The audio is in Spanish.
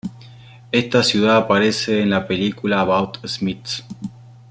Esta ciudad aparece en la película "About Schmidt".